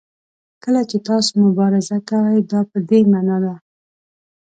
کله چې تاسو مبارزه کوئ دا په دې معنا ده.